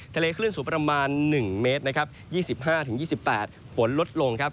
ทะเลคลื่นสูงประมาณ๑เมตร๒๕๒๘ฝนลดลง